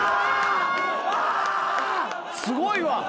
すごいわ。